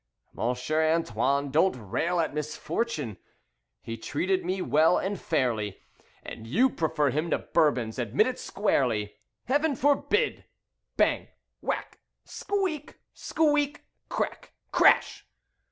"Monsieur Antoine, don't rail At misfortune. He treated me well and fairly." "And you prefer him to Bourbons, admit it squarely." "Heaven forbid!" Bang! Whack! Squeak! Squeak! Crack! CRASH!